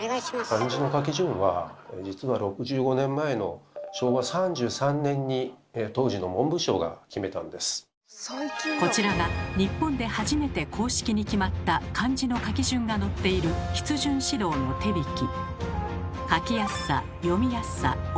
漢字の書き順は実は６５年前のこちらが日本で初めて公式に決まった漢字の書き順が載っている「筆順指導の手びき」。